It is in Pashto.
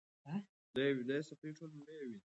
ملالۍ کولای سوای چې د بیرغ اخیستل ومني.